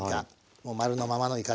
もう丸のままのいかです。